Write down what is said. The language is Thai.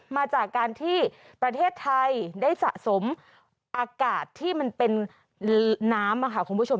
มาจากการที่ประเทศไทยได้สะสมอากาศที่มันเป็นน้ำค่ะคุณผู้ชม